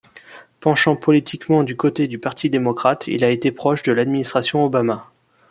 Penchant politiquement du côté du Parti démocrate, il a été proche de l'administration Obama.